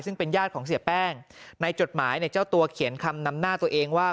ซึ่งเป็นญาติของเสียแป้งในจดหมายเนี่ยเจ้าตัวเขียนคำนำหน้าตัวเองว่า